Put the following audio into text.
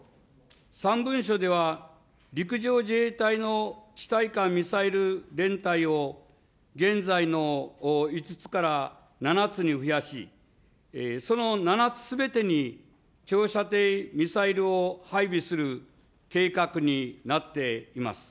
３文書では、陸上自衛隊の地対艦ミサイル連隊を現在の５つから７つに増やし、その７つすべてに長射程ミサイルを配備する計画になっています。